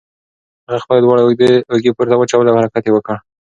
هغه خپلې دواړه اوږې پورته واچولې او حرکت یې وکړ.